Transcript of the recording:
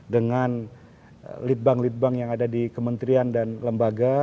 dengan litbang lead bank yang ada di kementerian dan lembaga